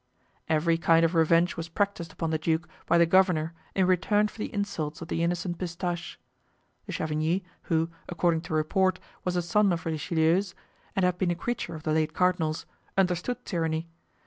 Every kind of revenge was practiced upon the duke by the governor in return for the insults of the innocent Pistache. De Chavigny, who, according to report, was a son of Richelieu's, and had been a creature of the late cardinal's, understood tyranny.